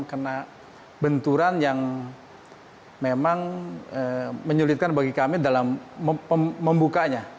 kena benturan yang memang menyulitkan bagi kami dalam membukanya